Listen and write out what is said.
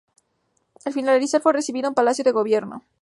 Al finalizar fue recibido en Palacio de Gobierno.